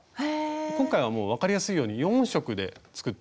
今回はもう分かりやすいように４色で作っていくんで。